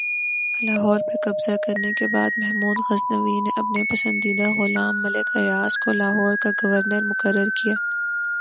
لاہور پر قبضہ کرنے کے بعد محمود غزنوی نے اپنے پسندیدہ غلام ملک ایاز کو لاہور کا گورنر مقرر کیا